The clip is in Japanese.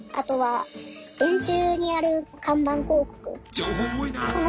情報多いな。